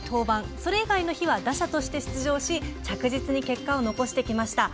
それ以外の日は打者として出場し着実に結果を残してきました。